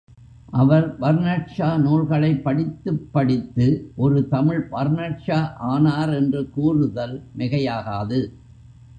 அவர் Bernard Shaw நூல்களைப் படித்துப் படித்து ஒரு தமிழ் பர்னாட்ஷா ஆனார் என்று கூறுதல் மிகையாகாது.